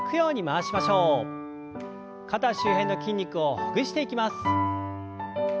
肩周辺の筋肉をほぐしていきます。